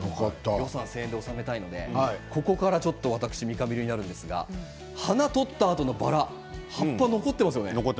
１０００円で収めたいのでここから私、三上流なんですが花を取ったあとのバラ葉っぱは残っていますよね。